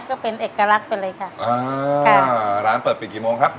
ก็เป็นเอกลักษณ์ไปเลยค่ะอ่าค่ะอ่าร้านเปิดปิดกี่โมงครับ